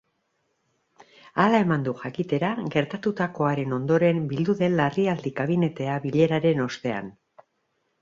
Hala eman du jakitera gertatutakoaren ondoren bildu den larrialdi-kabinetea bileraren ostean.